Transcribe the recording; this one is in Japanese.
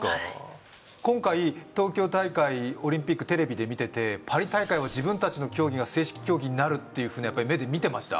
今回東京大会オリンピックテレビで見ててパリ大会は自分たちの競技が正式競技になるっていうふうな目で見てました？